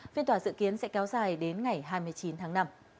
phiên tòa dự kiến sẽ kéo dài đến ngày hai mươi chín tháng năm